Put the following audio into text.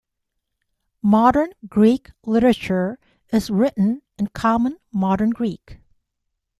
Modern Greek literature is written in common Modern Greek.